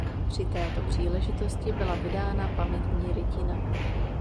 Při této příležitosti byla vydána pamětní rytina.